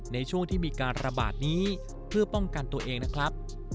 ในช่วงที่มีการระบาดนี้เพื่อป้องกันตัวเองนะครับ